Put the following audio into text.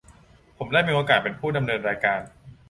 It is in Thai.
ผมได้มีโอกาสเป็นผู้ดำเนินรายการ